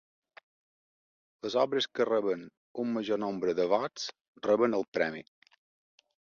Les obres que reben un major nombre de vots, reben el premi.